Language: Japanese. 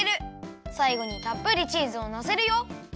さいごにたっぷりチーズをのせるよ。